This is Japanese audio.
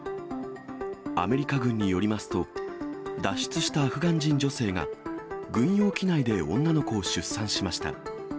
アメリカ軍によりますと、脱出したアフガン人女性が、軍用機内で女の子を出産しました。